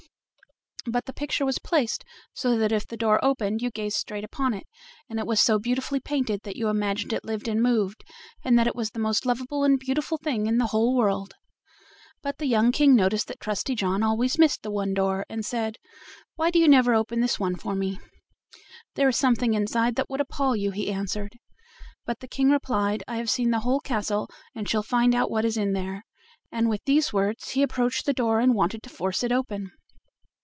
But the picture was placed so that if the door opened you gazed straight upon it, and it was so beautifully painted that you imagined it lived and moved, and that it was the most lovable and beautiful thing in the whole world. But the young King noticed that Trusty John always missed one door, and said: "Why do you never open this one for me?" "There is something inside that would appall you," he answered. But the King replied: "I have seen the whole castle, and shall find out what is in there"; and with these words he approached the door and wanted to force it open.